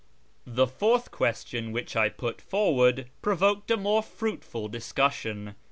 The fourth question which I put forward provoked a more fruitful discussion.